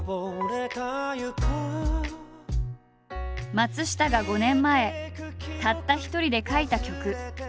松下が５年前たった一人で書いた曲。